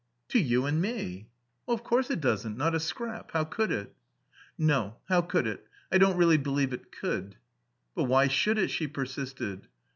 "To you and me." "Of course it doesn't. Not a scrap. How could it?" "No. How could it? I don't really believe it could." "But why should it?" she persisted.